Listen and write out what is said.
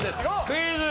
クイズ。